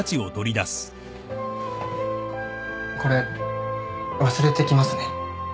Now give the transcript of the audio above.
これ忘れてきますね。